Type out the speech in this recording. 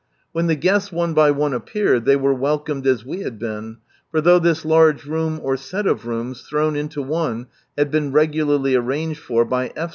When the guests one by one appeared they were welcomed as we had been, (for though this large room or set of rooms thrown into one had been regularly arranged for by F.